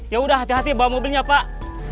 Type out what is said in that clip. yaudah hati hati bawa mobilnya pak